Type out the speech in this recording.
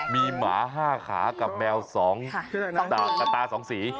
มีหมาหาขากับแมวสองสี